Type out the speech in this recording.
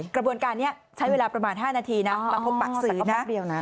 ภาพมันจะไม่สวย